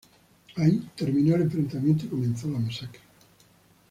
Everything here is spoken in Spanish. Ahí terminó el enfrentamiento y comenzó la masacre.